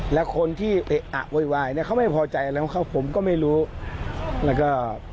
และคนที่อ่ะเว้ยเว้ยในเขาไม่พอใจแล้วเขาผมก็ไม่รู้แล้วก็